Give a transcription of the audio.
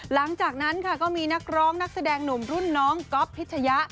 หลังจากนั้นค่ะก็มีนักร้องนักแสดงหนุ่มรุ่นน้องก๊อฟพิชยะ